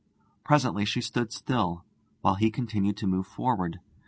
Presently she stood still, while he continued to move forward.